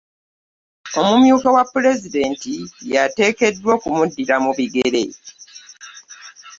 Omumyuka wa pulezidenti y'ateekeddwa okumuddira mu bigere